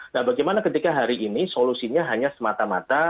nah bagaimana ketika hari ini solusinya hanya semata mata